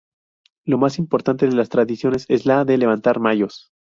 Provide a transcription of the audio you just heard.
La más importante de las tradiciones es la de levantar mayos.